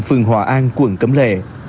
phường hòa an quận cấm lề